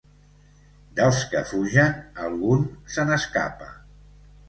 Dels que fugen, algun se n'escapa.